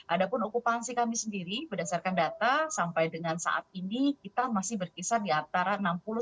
ada pun okupansi kami sendiri berdasarkan data sampai dengan saat ini kita masih berkisar di antara enam puluh sembilan